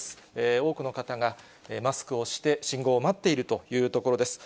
多くの方がマスクをして信号を待っているというところです。